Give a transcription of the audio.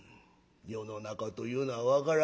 世の中というのは分からんもんじゃ。